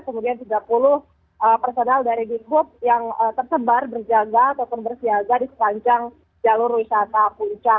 kemudian tiga puluh personel dari di hub yang tersebar berjaga ataupun bersiaga di sepanjang jalur wisata puncak